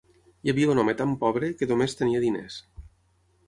Hi havia un home tan pobre, que només tenia diners.